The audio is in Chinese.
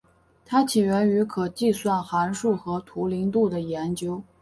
它起源于可计算函数和图灵度的研究。